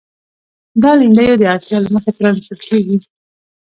دا لیندیو د اړتیا له مخې پرانیستل کېږي.